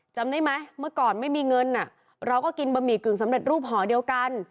จำได้ไหมเมื่อก่อนไม่มีเงินเราก็กินบะหมี่กึ่งสำเร็จรูปหอเดียวกัน